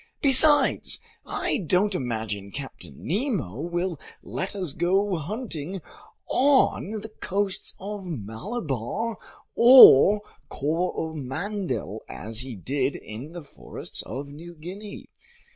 Besides, I don't imagine Captain Nemo will let us go hunting on the coasts of Malabar or Coromandel as he did in the forests of New Guinea."